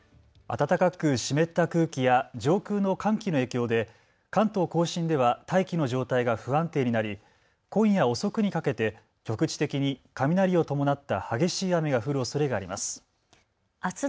暖かく湿った空気や上空の寒気の影響で関東甲信では大気の状態が不安定になり今夜遅くにかけて局地的に雷を伴った激しい雨が降るおそれがあります。